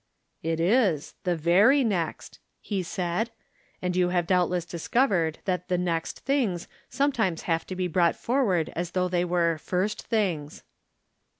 " It is — the very next," he said. " And you From Different Standpoints, 151 have doubtless discovered that the ' next things ' sometimes have to be brought forward as though they were ' first things.'